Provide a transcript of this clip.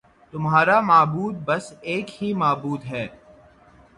تمہارا معبود بس ایک ہی معبود ہے